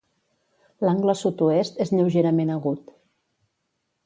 L'angle sud-oest és lleugerament agut.